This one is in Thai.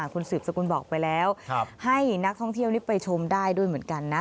คุณสืบสกุลบอกไปแล้วให้นักท่องเที่ยวนี้ไปชมได้ด้วยเหมือนกันนะ